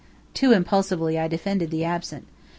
Too impulsively I defended the absent.